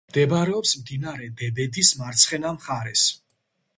მდებარეობს მდინარე დებედის მარცხენა მხარეს.